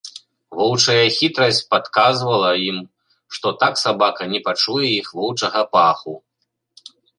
Воўчая хітрасць падказвала ім, што так сабака не пачуе іх воўчага паху.